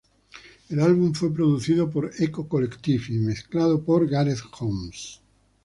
El álbum fue producido por Echo Collective y mezclado por Gareth Jones.